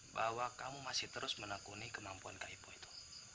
bahwa kamu masih terus menekuni kemampuan kak ibu itu